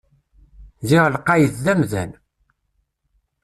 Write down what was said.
Ziɣ lqayed d amdan!